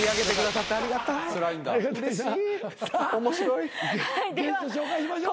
さあゲスト紹介しましょう。